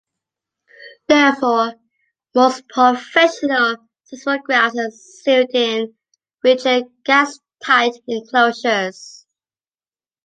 Therefore, most professional seismographs are sealed in rigid gas-tight enclosures.